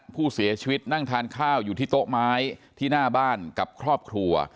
ผู้เสียชีวิตนั่งทานข้าวอยู่ที่โต๊ะไม้ที่หน้าบ้านกับครอบครัว